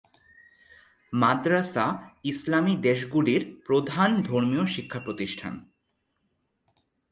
মাদ্রাসা ইসলামী দেশগুলির প্রধান ধর্মীয় শিক্ষা প্রতিষ্ঠান।